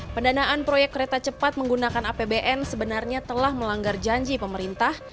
pendanaan proyek kereta cepat menggunakan apbn sebenarnya telah melanggar janji pemerintah